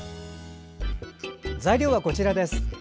材料はこちらです。